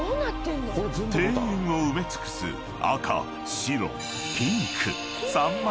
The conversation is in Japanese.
［庭園を埋め尽くす赤・白・ピンク］